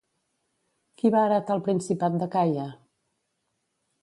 Qui va heretar el Principat d'Acaia?